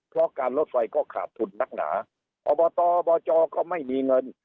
เพราะการลดไฟก็ขาดทุนนักหนาอบตอบจก็ไม่มีเงิน